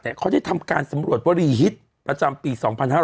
เขาจะทำการสำรวจวัลลีฮีตประจำปี๒๕๖๕